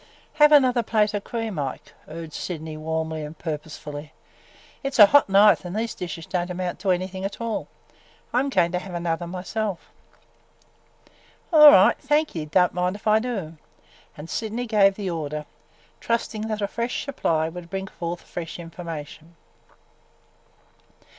"Have another plate of cream, Ike!" urged Sydney warmly and purposefully. "It 's a hot night and these dishes don't amount to any thing at all. I 'm going to have another myself!" "All right! Thank ye! Don't mind if I do!" And Sydney gave the order, trusting that a fresh supply would bring forth fresh information.